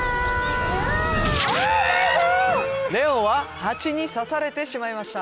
レオンはハチに刺されてしまいました